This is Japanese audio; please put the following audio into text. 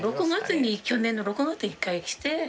去年の６月に１回来て。